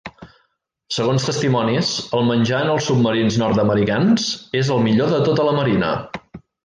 Segons testimonis, el menjar en els submarins nord-americans és el millor de tota la marina.